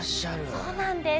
そうなんです。